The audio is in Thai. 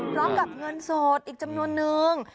พร้อมกับเงินสดอีกจำนวนนึง